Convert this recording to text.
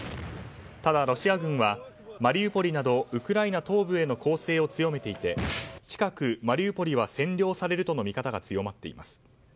ただ、ロシア軍はマリウポリなどウクライナ東部への攻勢を強めていて近く、マリウポリは占領されるとの見方が強まっています。